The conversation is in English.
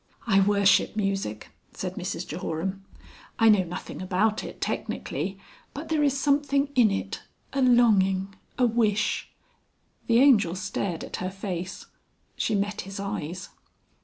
"I worship music," said Mrs Jehoram. "I know nothing about it technically, but there is something in it a longing, a wish...." The Angel stared at her face. She met his eyes.